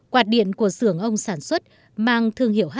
quạt điện của xưởng ông sản xuất mang thương hiệu h